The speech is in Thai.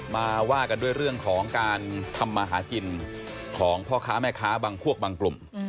มาว่ากันด้วยเรื่องของการทำมาหากินของพ่อค้าแม่ค้าบางพวกบางกลุ่ม